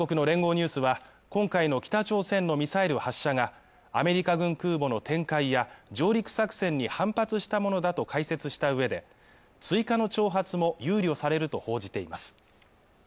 ニュースは今回の北朝鮮のミサイル発射がアメリカ軍空母の展開や上陸作戦に反発したものだと解説した上で、追加の挑発も憂慮されると報じています。